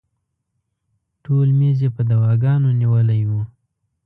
ټول میز یې په دواګانو نیولی و.